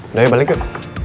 udah yuk balik yuk